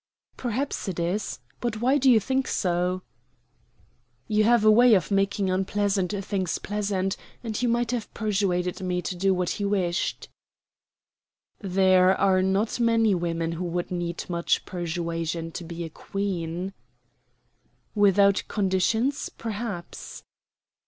"Perhaps it is. But why do you think so?" "You have a way of making unpleasant things pleasant; and you might have persuaded me to do what he wished." "There are not many women who would need much persuasion to be a Queen." "Without conditions, perhaps."